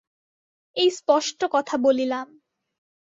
এই স্পষ্ট কথা বলিলাম।